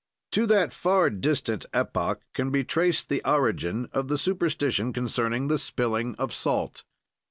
To that far distant epoch can be traced the origin of the superstition concerning the spilling of salt.